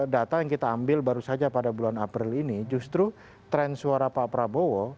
data yang kita ambil baru saja pada bulan april ini justru tren suara pak prabowo